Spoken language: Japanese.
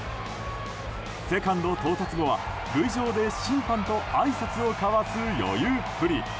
セカンド到達後は塁上で審判とあいさつを交わす余裕っぷり。